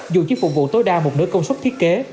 dù chỉ phục vụ tối đa một nửa công suất thiết kế